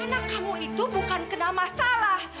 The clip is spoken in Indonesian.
karena kamu itu bukan kena masalah